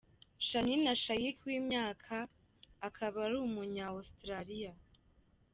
Shanina Shaik w'imyaka akaba ari umunya Australia.